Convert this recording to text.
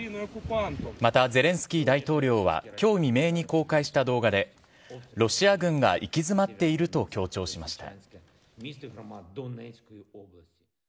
またゼレンスキー大統領はきょう未明に公開した動画で、ロシア軍が行き詰まっていると強調しました。